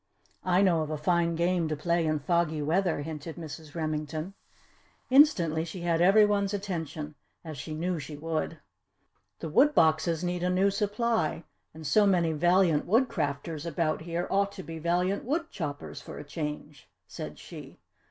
"I know of a fine game to play in foggy weather!" hinted Mrs. Remington. Instantly, she had every one's attention as she knew she would. "The wood boxes need a new supply and so many valiant Woodcrafters about here ought to be valiant woodchoppers for a change!" said she.